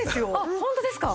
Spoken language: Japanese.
ホントですか？